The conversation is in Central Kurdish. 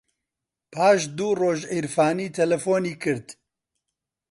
پاش دوو ڕۆژ عیرفانی تەلەفۆنی کرد.